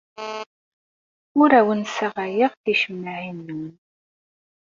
Ur awen-ssaɣayeɣ ticemmaɛin-nwen.